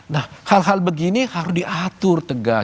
nah hal hal begini harus diatur tegas